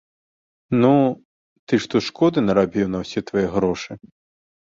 Ну, ты ж тут шкоды нарабіў на ўсе твае грошы.